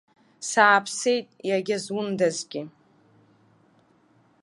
Сааԥсеит, иагьа зундазгьы.